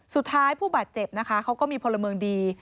สุดท้ายผู้บาดเจ็บนะคะเขาก็มีพลเมิงดี